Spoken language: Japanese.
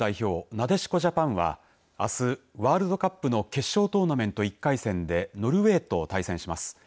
なでしこジャパンはあすワールドカップの決勝トーナメント１回戦でノルウェーと対戦します。